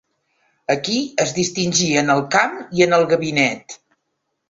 Aquí es distingí en el camp i en el gabinet.